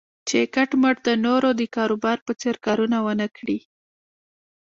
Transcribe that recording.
چې کټ مټ د نورو د کاروبار په څېر کارونه و نه کړي.